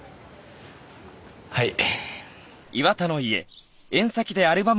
はい。